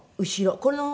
この。